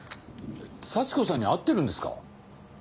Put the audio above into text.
幸子さんに会ってるんですか？